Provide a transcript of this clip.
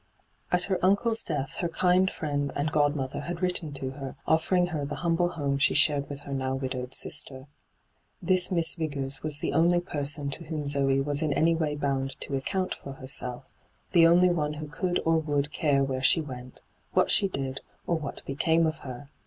At her uncle's death her kind friend and godmother had written to her, offering her the humble home she shared with her now widowed sister. This Miss Vigors was the only person to whom Zoe was in any way bound to account for herself, the only one who could or would care where she went, what she did, or what became of her.